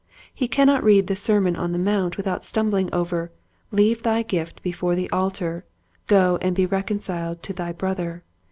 He cannot read the Sermon on the Mount without stumbling over, " Leave thy gift before the altar, go and be reconciled to thy brother."